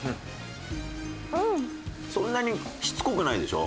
そんなにしつこくないでしょ？